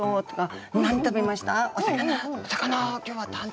何食べました？